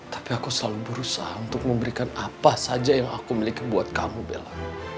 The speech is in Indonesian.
tapi aku selalu berusaha untuk memberikan apa saja yang aku miliki buat kamu bella